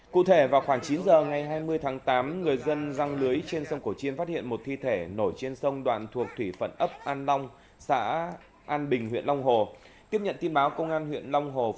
cụ thể vào khoảng chín h ngày hai mươi tháng tám người dân răng lưới trên sông cổ chiên phát hiện một thi thể nổi trên sông đoạn thuộc thủy phận ấp an long xã an bình huyện long hồ